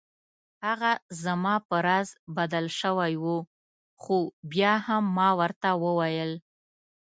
هغه زما په راز بدل شوی و خو بیا هم ما ورته وویل.